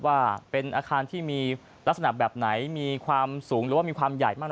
ว่าเป็นอาคารที่มีลักษณะแบบไหนมีความสูงหรือว่ามีความใหญ่มาก